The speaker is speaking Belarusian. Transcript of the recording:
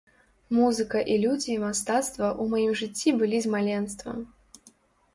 Музыка і людзі мастацтва ў маім жыцці былі з маленства.